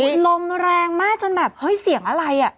พี่ว่าหนูลมแรงมากจนแบบเฮ้ยเสียงอะไรอะ